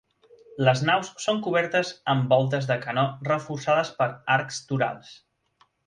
Les naus són cobertes amb voltes de canó reforçades per arcs torals.